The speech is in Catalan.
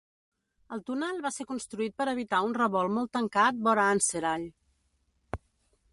El túnel va ser construït per evitar un revolt molt tancat vora Anserall.